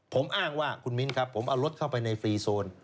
ผมอ้างว่าคุณมิ้นครับผมเอารถเข้าไปในฟรีโซน